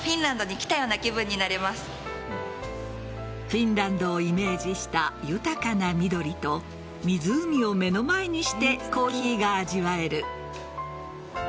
フィンランドをイメージした豊かな緑と湖を目の前にしてコーヒーが味わえる。